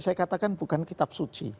saya katakan bukan kitab suci